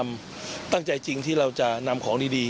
เราจะเรียกจริงจริงที่